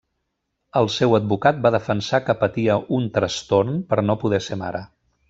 El seu advocat va defensar que patia un trastorn per no poder ser mare.